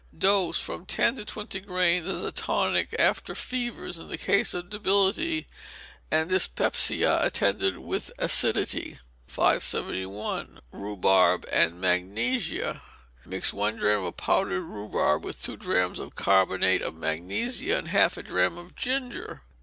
Dose, from ten to twenty grains as a tonic after fevers, in all cases of debility, and dyspepsia attended with acidity. 571. Rhubarb and Magnesia. Mix one drachm of powdered rhubarb with two drachms of carbonate of magnesia, and half a drachm of ginger.